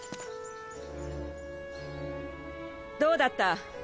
どうだった？